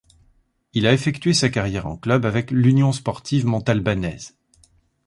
Il a effectué sa carrière en club avec l'Union sportive montalbanaise.